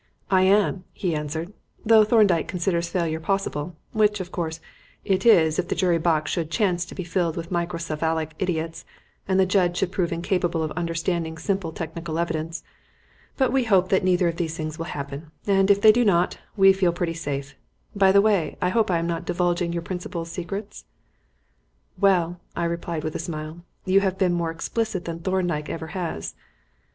"I am," he answered, "though Thorndyke considers failure possible which, of course, it is if the jury box should chance to be filled with microcephalic idiots and the judge should prove incapable of understanding simple technical evidence. But we hope that neither of these things will happen, and, if they do not, we feel pretty safe. By the way, I hope I am not divulging your principal's secrets?" "Well," I replied, with a smile, "you have been more explicit than Thorndyke ever has."